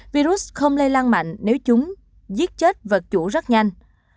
virus không lây lan mạnh nếu chúng giết chết vật chủ rất nhanh